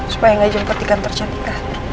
supaya gak dijemput di kantor cantikah